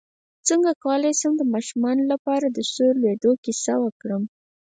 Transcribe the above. څنګه کولی شم د ماشومانو لپاره د سور لویدو کیسه وکړم